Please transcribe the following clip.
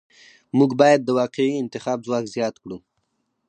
موږ باید د واقعي انتخاب ځواک زیات کړو.